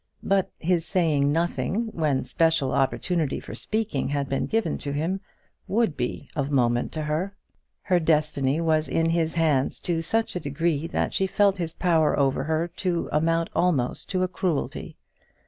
But his saying nothing when special opportunity for speaking had been given to him would be of moment to her. Her destiny was in his hands to such a degree that she felt his power over her to amount almost to a cruelty.